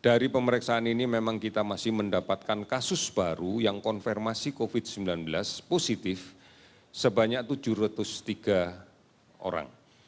dari pemeriksaan ini memang kita masih mendapatkan kasus baru yang konfirmasi covid sembilan belas positif sebanyak tujuh ratus tiga orang